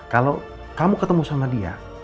kalau kamu ketemu sama dia